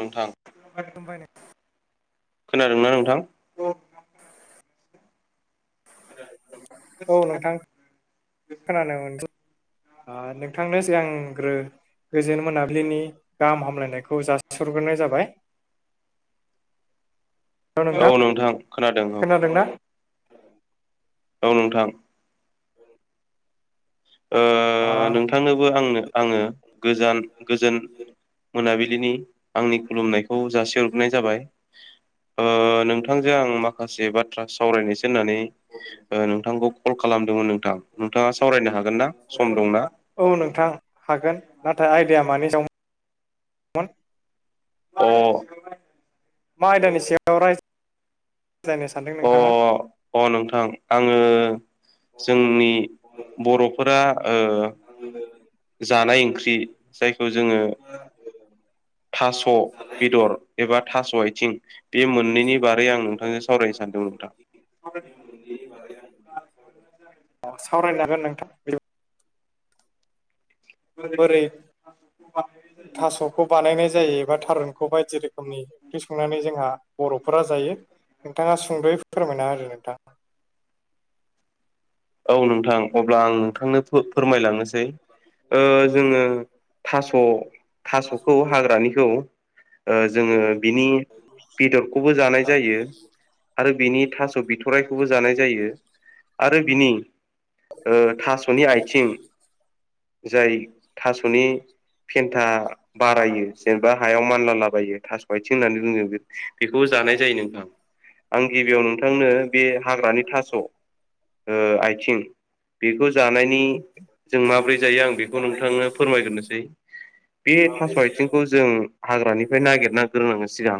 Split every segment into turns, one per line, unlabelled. नोंथां
खुलुमबाय नों
खोनादोंना नोंथां?
औ नोंथां। खोनानो मोनसै आ नोंथांनो सिगांग्रो, गोजोन मोनाबिलिनि गाहाम हामलायनायखौ जासिहरग्रोनाय जाबाय,
औ नोंथां खोनादों औ
खोनादों ना?
औ नोंथां ओ
आ,
नोंथांनोबो आंनो आङो गोजान गोजोन, मोनाबिलिनि आंनि खुलुमनायखौ जासिहरग्रोनाय जाबाय। ओ नोंथांजों आं माखासे बाथ्रा सावरायनोसो होननानै ओ नोंथांखौ कल खालामदोंमोन नोंथां नोंथाङा सावरायनो हागोन ना सम दंना?
औ नोंथां हागोन नाथाय आइदिया मानि सायाव दन,
अ
मा आयदानि सायाव राय जायनो सानदों,
अ अ नोंथां आङो जोंनि बर' फुराओ
[unintelligible]
जानाय ओंख्रि जायखौ जोङो। थास' बेदर एबा थास' आइथिं, बे मोननैनि बारै आं नोंथांजों सावरायनो सानदों नोंथां।
अ सावरायनो हागोन नोंथां बोरै थास'खौ बानायनाय जायो एबा थारुनखौ बायदि रोखोम, रोखोमनि ओंख्रि संनानै जोंहा बर'फोरा जायो नोंथाङा संद'यै फोरमायना होदो नोंथां,
औ नोंथां अब्ला आं नोंथांनो फोरमायलांनोसै, ओ जोङो थास' थास'खौ हाग्रानिखौ ओ जोङो बिनि बेदरखौबो जानाय जायो। आरो बिनि थास' बिथरायखौबो जानाय जायो आरो बिनि ओ थास'नि आइथिं जाय थास'नि फेन्था बारायो जेनेबा हायाव मानलालाबायो थास' आइथिं होननानै बुङो बे बेखौ जानाय जायो नोंथां आं गिबियाव नोंथांनो बे हाग्रानि थास' ओ आइथिं बेखौ जानायनि जों माबोरै जायो आं बेखौ नोंथांनो फोरमायग्रोनोसै, बे थास' आइथिंखौ जों हाग्रानिफ्राय नागिरनां रोंनांगोन सिगां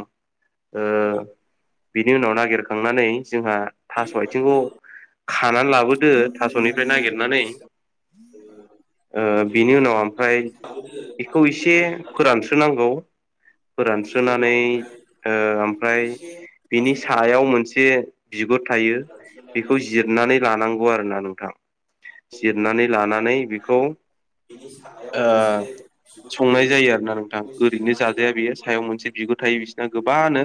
ओ बिनि उनाव नागिरखांनानै जोंहा, थास' आथिंखौ
[unintelligible]
खानानै लाबोदो थास'निफ्राय नागिरनानै, ओ बिनि उनाव ओमफ्राय बेखौ एसे फोरानस्रोनांगौ, फोरानस्रोनानै ओ ओमफ्राय बिनि सायाव मोनसे, बिगुर थायो बेखौ जिरनानै लानांगौ आरोना नोंथां, जिरनानै लानानै बेखौ, ओ संनाय जायो आरोना नोंथां ओरैनो जाजाया बेयो सायाव मोनसे बिगुर थायो बिसोर, गोबानो,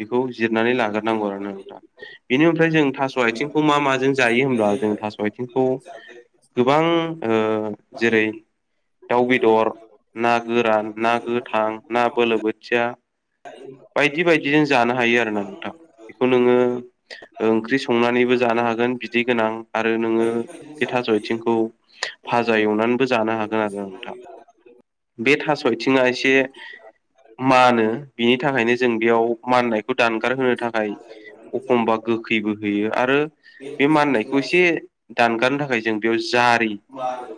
बेखौ जिरनानै लाग्रोनांगौ आरो ना नोंथां बेनि ओमफ्राय जों थास' आइथिं, खौ मा माजों जायो होमब्ला जों थास' आइथिंखौ गोबां जेरै दाव बेदर ना गोरान ना गोथां ना बोलो बोथिया, बायदि बायदिजों जानो हायो आरो ना नोंथां बेखौ नोङो, ओंख्रि संनानैबो जानो हागोन बिदै गोनां आरो नोङो बे थास' आथिंखौ फाजा एवनानैबो जानो हागोन आरो नोंथां बे थास' आथिङा एसे मानो बिनि थाखायनो जों बेयाव माननायखौ दानगार होनो थाखाय अखमबा गोखैबो होयो आरो बे माननायखौ एसे दानगारनो थाखाय जों बेयाव जारि
बार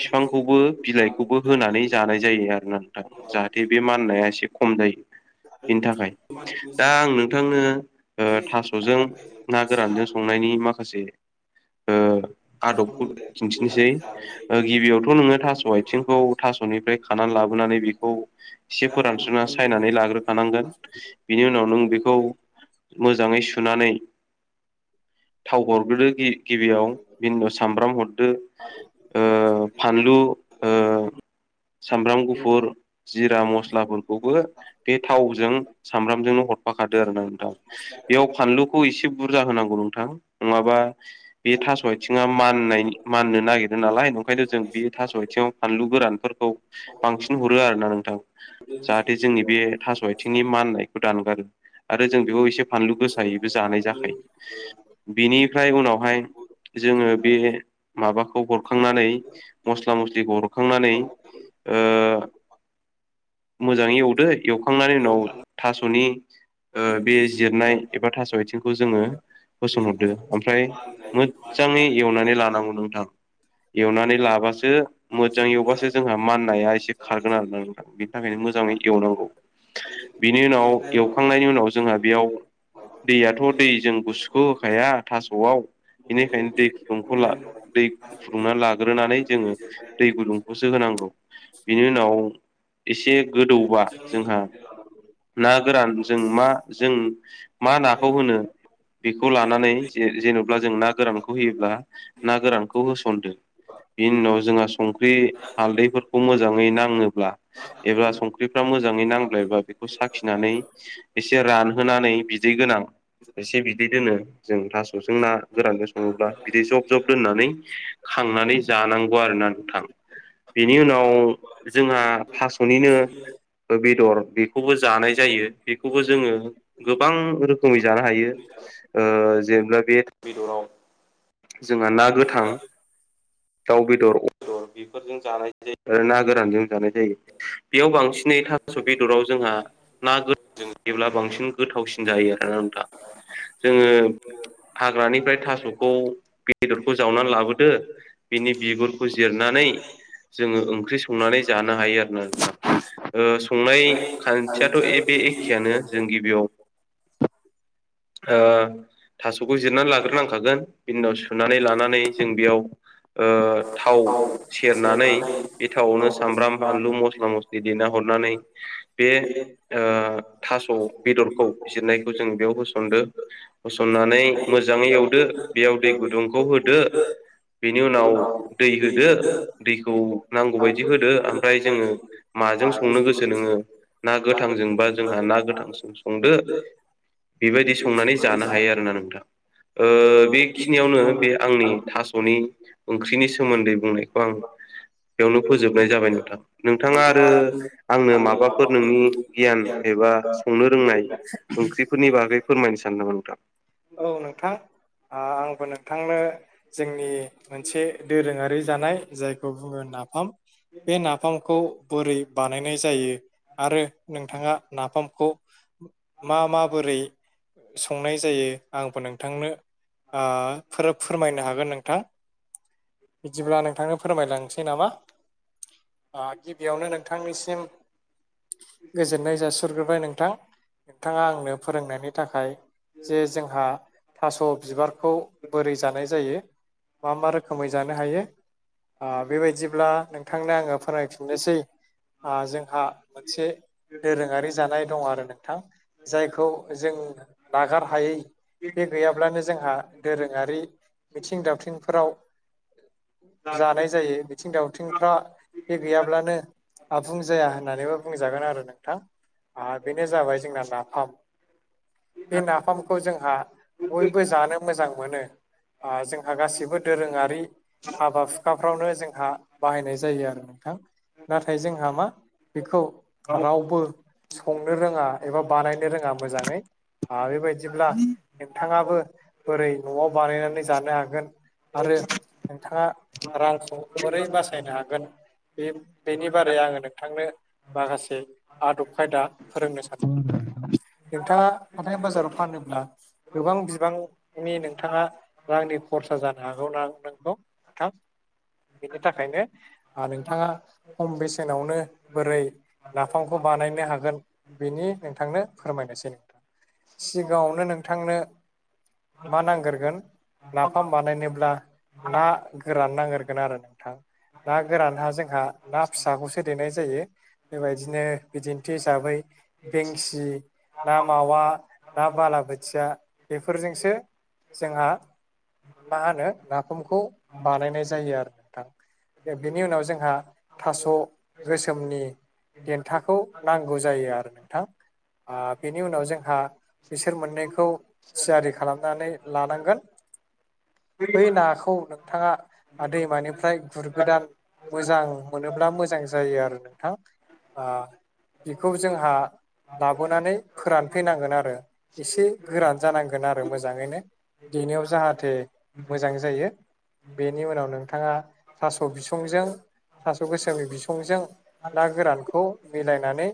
बिफांखौबो बिलाइखौबो होनानै जानाय जायो आरोना नोंथां जाहाथे बे माननाया एसे खम जायो बेनि थाखाय दा आं नोंथांनो ओ
[inaudible]
नि माखासे आदबखौ खिन्थिनोसै ओ गिबियावथ' नोङो थास' आथिंखौ थास'निफ्राय खानानै लाबोनानै बेखौ एसे फोरानस्रोना सायनानै लाग्रोखानांगोन बिनि उनाव नों बेखौ मोजाङै सुनानै थाव हरग्रोदो गि-गिबियाव बिनि उनाव सामब्राम हरदो ओ फानलु ओ सामब्राम गुफुर जिरा मस्लाफोरखौबो बे थावजों सामब्रामजोंनो हरफाखादो आरोना नोंथां बेयाव फानलुखौ एसे बुरजा होनांगौ नोंथां नङाबा बे थास' आथिङा मान्नाय माननो नागिरदों नालाय ओंखायनो जों बे थास' आथिङाव फानलु गोरानफोरखौ बांसिन हरो आरो ना नोंथां जाहाथे जोंनि बे थास' आथिंनि माननायखौ दानगारो आरो जों बेखौ एसे फानलु गोसायैबो जानाय जाखायो बिनिफ्राय उनावहाय जोङो बे माबाखौ हरखांनानै मस्ला मस्लिखौ हरखांनानै ओ मोजाङै एवदो एवखांनानै उनाव थास'नि बे जिरनाय एबा थास' आथिंखौ जोङो होसनहरदो ओमफ्राय मोजाङै एवनानै लानांगौ नोंथां एवनानै लाबासो मोजां एवबासो जोंहा माननाया एसे खारगोन आरोना नोंथां। बिनि थाखायनो मोजाङै एवनांगौ बिनि उनाव एवखांनायनि उनाव जोंहा बेयाव दैयाथ' दै जों गुसुखौ होखाया थास'आव बेनिखायनो दैु गुदुंखौ दै फुदुंनानै लाग्रोनानै जोङो दै गुदुंखौसो होनांगौ। बिनि उनाव एसे गोदौबा जोंहा ना गोरान जों मा जों मा नाखौ होनो बेखौ लानानै जे जेनेबा जों ना गोरानखौ होयोब्ला ना गोरानखौ होसनदो बिनि उनाव जोंहा संख्रि हालदैफोरखौ मोजाङै नाङोब्ला एबा संख्रिफ्रा मोजाङै नांबायब्ला बेखौ साखिनानै एसे रानहोनानै बिदै गोनां एसे बिदै दोनो जों थास'जों ना गोरानजों सङोब्ला बिदि जब जब लोननानै खांनानै जानांगौ आरोना थां बेनि उनाव जोंहा थास'निनो ओ बेदर बे खौबो जानाय जायो बेखौबो जोङो गोबां रोखोमै जानो हायो जेनेा बे बेदराव जोंहा ना गोथां दाउ बेदर अदर बेफोरजों जानायसायो आरो ना गोरानजों जानाय बेयाव बांसिनै थास' बेदराव जोंहा ना [unintelligible] जायोब्ला बांसिन गोथावसिन जायो आरोना नोंथा। जोङो हाग्रानिफ्राय थास'खौ बेदरखौ जावनानै लाबोदो बिनि बिगुरखौ जिरनानै जोङो ओंख्रि संनानै जानो हायो आरो ना नोंथां। संनाय खान्थियाथ' बे एखेयानो जों गिबियाव थास'खौ जिरनानै लाग्रोनांखागोन बिनि उनाव सुनानै लानानै जों बेयाव थाव सेरनानै बे थावआवनो सामब्राम बानलु मस्ला मस दैदेना हरनानै बे ओ थास' बेदरखौ जिरनायखौ जों बेयाव होसनदो होसननानै मोजाङै एवदो बेयाव दै गुदुंखौ होदो बेनि उनाव दै होदो दैखौ नांगौबायायदि होदो ओमफ्राय जोङो माजों संनो गोसो नोङो ना गोथांजोंबा जोंहा ना गोथांजों संदो बेबायदि संनानै जानो हायो आरोना नोंथां ओ बेखिनियावनो बे आंनि थास'नि ओंख्रिनि सोमोन्दै बुंनायखौ आं बेयावनो फोजोबनाय जाबाय नोंथां। नोंथाङा आरो आंनो माबाफोर नोंनि गियान एबा संनो रोंनाय ओंख्रि फोरनि बागै फोरमायनो सानो नामा नोंथां?
औ नोंथां आं बो नोंथांनो जोंनि मोनसे दोरोङारि जानाय जायखौ बुङो नाफाम बे नाफामखौ बोरै बानायनाय जायो आरो नोंथाङा नाफामखौ मा माबोरै संनाय जायो आंबो नोंथांनो आ फोर फोरमायनो हागोन नोंथां बिदिब्ला नोंथांनो फोरमायलांसै नामा आ गिबियावनो नोंथांनिसिम गोजोननाय जासिहरग्रोबाय नोंथां नोंथाङा आंनो फोरोंनायनि थाखाय जे जोंहा थास' बिबारखौ बोरै जानाय जायो मा मा रोखोमै जानो हायो आ बेबायदिब्ला नोंथांनो आङो फोरमायफिननोसै आ जोंहा मोनसे दोरोङारि जानाय दं आरो नोंथां जायखौ जों नागार हायै बे गैयाब्लानो जोंहा रोङारि मिथिं दावथिंफोराव जानाय जायो मिथिं दावथिंफ्रा बे गैयाब्लानो आबुंजाया होननानैबो बुंजागोन आरो नोंथां। आ बेनो जाबाय जोंना नाफाम बे नाफामखौ जोंहा बयबो जानो मोजां मोनो आ जोंहा गासिबो दोरोङारि हाबा हुखाफ्रावनो जोंहा बाहायनाय जायो आरो नोंथां। नाथाय जोंहा मा बेखौ रावबो संनो रोङा एबा बानायनो रोङा मोजाङै आ बेबायाददिब्ला नोंथाङाबो बोरै न'आव बानायनानै जानो हागोन आरो नोंथाङा रांखौ बोरै बासायनो हागोन बे बेनि बारै आङो नोंथांनो माखासे आदब खायदा फोरोंनो सान [unintelligible] नोंथाङा हाथाय बाजाराव फानोब्ला गोबां बिबां मे नोंथाङा रांनि खरसा जानो हागौ ना नंगौ थां बेनि थाखायनो आ नोंथाङा खम बेसेनावनो बोरै नाफामखौ बानायनो हागोन बेनि नोंथांनो फोरमायनोसै नोंथां। सिगाङावनो नोंथांनो मा नागोरगोन नाफाम बानायनोब्ला ना गोरान नांगोरगोन आरो नोंथां। ना गोराना जोंहा ना फिसाखौसो देनाय जायो बेबायदिनो बिदिन्थि हिसाबै बेंसि, ना मावा ना बालाबोथिया बेफोरजोंसो जोंहा मा होनो नाफामखौ बानायनाय जायो आरो नोंथां। बे-बिनि उनाव जोंहा थास' गोसोमनि देन्थाखौ नांगौ जायो आरो नोंथां। आ बेनि उनाव जोंहा बिसोर मोननैखौ थियारि खालाम नानै लानांगोन बै नाखौ नोंथाङा आ दैमानिफ्राय गुर गोदान मोजां मोनोब्ला मोजां जायो आरो नोंथां। ओ बेखौ जोंहा लाबोनानै फोरानफैनांगोन आरो एसे गोरान जानांगोन आरो मोजां। मोजांङैनो देनायाव जाहाथे मोजां जायो। बेनि उनाव नोंथांङा थास' बिसंजों थास' गोसोमनि बिसंजों ना गोरानखौ मिलायनानै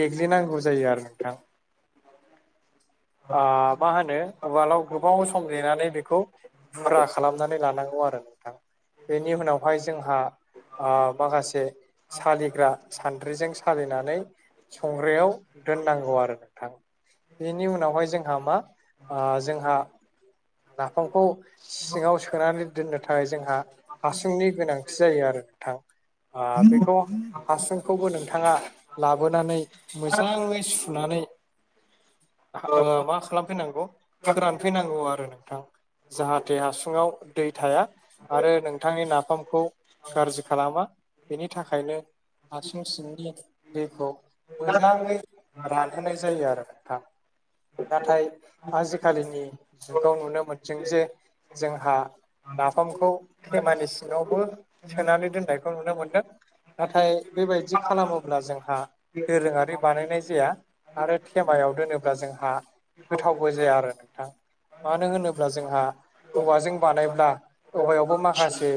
देग्लिनांगौ जायो आरो नोंथां। ओ मा होनो उवालाव गोबाव सम नेेनानै बेखौ बुरा खालामनानै लानांगौ आरो नोंथा? बेनि उनावहाय जोंहा ओ माखासे सालिग्रा सान्द्रिजों सालिनानै संग्रायाव दोननांगौ आरो नोंथां बेनि उनावहाय जोंहा मा ओ जोंहा नाफामखौ सिङाव सोनानै दोननो थाखाय जोंहा हासुंनि गोनांथि जायो ङो आरो नोंथां ओ बेखौ हासुंखौबो नोंथांङा लाबोनानै मोजांङै सुनानै
[inaudible]
मा खालामफैनांगौ फोरानफैनांगौ आरो नों जाहाथे हासुंङाव दै थाया आरो नोंथांनि नाफामखौ गाज्रि खालामा बेनि थाखायनो हासुं सिंनि दैखौ मोजांङै रानहोनाय जायो आरो थां। नाथाय आजिखालिनि जुगाव नुनो मोनदों जे जोंहा नाफामखौ खेमानि सिंङावबो सोनानै दोननायखौ नुनो मोनदों। नाथाय बेबायदि खालामोब्ला जोंहा दोरोंङारि बानायनाय जाया आरो थेमायाव दोनोब्ला जोंहा गोथावबो जाया आरो नोंथां। मानो होनोब्ला जोंहा औवाजों बानायब्ला औवायावबो माखासे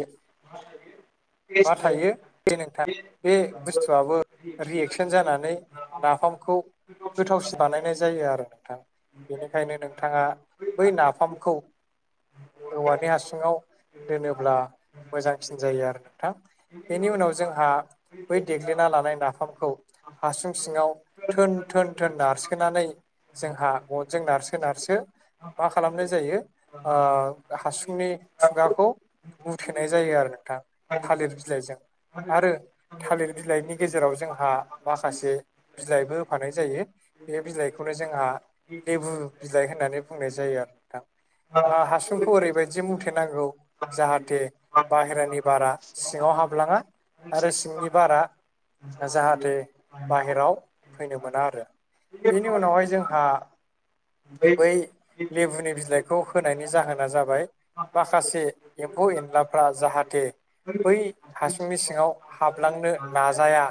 मा थायो बे नोंथां बे बुस्थुआबो रिएकसन जानानै नाफामखौ गोथावसिन बानायनाय जायो आरो नोंथां। बेनिखायनो नोंथांङा बै नाफामखौ औवानि हासुंङाव दोनोब्ला मोजांसिन जायो आरो नोंथां बेनि उनाव जोंहा बै देग्लिना लानाय नाफामखौ हासुं सिंङाव थोन थोन थोन नारसोनानै जोंहा गनजों नारसो नारसो मा खालामनाय जायो ओ हासुंनि खुगाखौ मुथेनाय जायो आरो नोंथां थालिर बिलाइजों आरो थालिर बिलाइनि गेजेराव जोंहा माखासे बिलाइबो होफानाय जायो। बे बिलाइखौनो जोंहा लेबु बिलाइ होननानै बुंनाय जायो आरो नोंथां। खौ ओरैबायदि मुथेेनांगौ जाहाथे बाहेरानि बारा सिंङाव हाबलांङा। आरो सिंनि बारा जाहाथे बाहेराव फैनो मोना आरो। बेनि उनावहाय जोंहा बै लेबुनि बिलाइखौ होनायनि जाहोना जाबाय माखासे एम्फौ एनलाफ्रा जाहाथे बै हासुंनि सिंङाव हाबलांनो नाजाया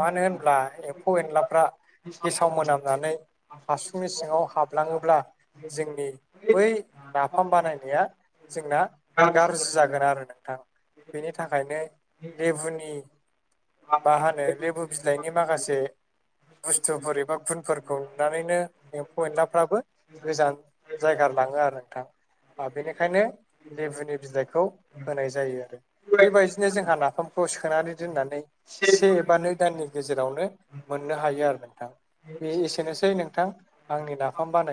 मानो होनब्ला एम्फौ एनलाफ्रा गेसाव मोनामनानै हासुंनि सिंङाव हाबलांङोब्ला जोंनि बै नाफाम बानायनाया जोंना गाज्रि जागोन आरो नोंथां बेनि थाखायनो लेबुनि मा होनो लेबु बिलाइनि माखासे बुस्थुफोर एबा गुनफोरखौ नुनानैनो एम्फौ एनलाफ्राबो गोजान जायगा लांङो आरो नोंथां। बेनिखायनो लेबुनि बिलाइखौ होनाय जायो आरो बेबायदिनो जोंहा नाफामखौ सोनानै दोननानै से नै दाननि गेजेरावनो मोननो हायो आरो नोंथां बे एसेनोसै नोंथां आंनि नाफाम बानायनाया